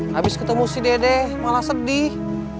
habis ketemu si dede malah sedih